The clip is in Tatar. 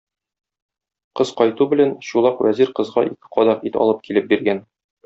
Кыз кайту белән, Чулак вәзир кызга ике кадак ит алып килеп биргән.